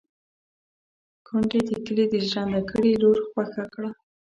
کونډې د کلي د ژرنده ګړي لور خوښه کړه.